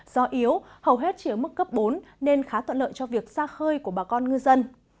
gió yếu hầu hết chỉ ở mức cấp bốn nên khá toạn lợi cho việc xa khơi của bà con ngư dân